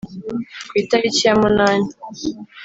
ku itariki ya munani